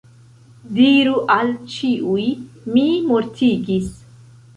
Diru al ĉiuj “mi mortigis”.